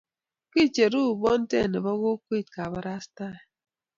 Kicheruu bonte ne bo kokwee kabarastae.